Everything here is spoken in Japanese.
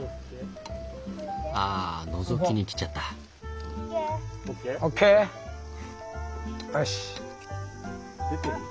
あのぞきに来ちゃった。ＯＫ？ＯＫ？よし。